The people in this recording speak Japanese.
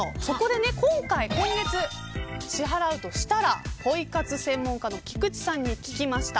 今月支払うとしたらポイ活専門家の菊地さんに聞きました。